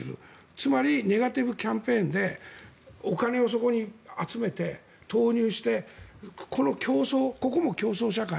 つまりネガティブキャンペーンでお金をそこに集めて投入して、この競争ここも競争社会。